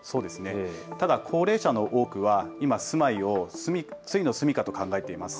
ただ高齢者の多くは今、住まいをついの住みかと考えています。